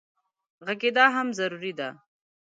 غږېدا هم ضروري ده.